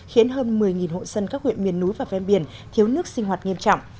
khiến hơn một mươi hộ dân các huyện miền núi và ven biển thiếu nước sinh hoạt nghiêm trọng